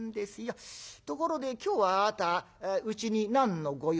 ところで今日はあなたうちに何の御用？